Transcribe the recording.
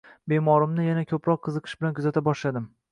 Bemorimni yanada ko`proq qiziqish bilan kuzata boshladim